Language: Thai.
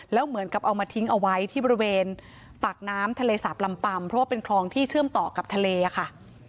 แล้วเหมือนกับเอามาทิ้งเอาไว้ที่บริเวณปากน้ำทะเลสาบลำปัมเพราะว่าเป็นคลองที่เชื่อมต่อกับทะเลค่ะ